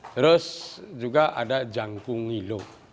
terus juga ada jangkung nilo